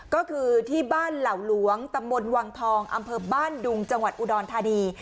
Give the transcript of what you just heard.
ก็คือที่บ้านเหล่าหลวงตำบลวังทองอำเภอบ้านดุงจังหวัดอุดรธานี